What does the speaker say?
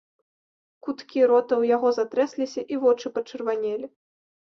Куткі рота ў яго затрэсліся і вочы пачырванелі.